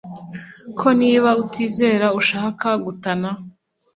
ko niba utizera ashaka gutana